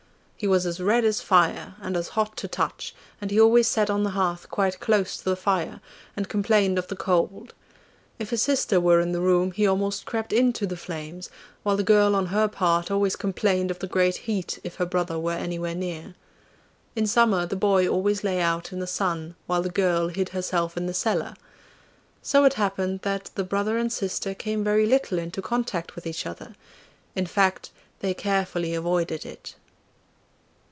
He was as red as fire, and as hot to touch, and he always sat on the hearth quite close to the fire, and complained of the cold; if his sister were in the room he almost crept into the flames, while the girl on her part always complained of the great heat if her brother were anywhere near. In summer the boy always lay out in the sun, while the girl hid herself in the cellar: so it happened that the brother and sister came very little into contact with each other in fact, they carefully avoided it.